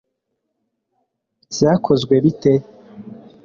byakozwe bite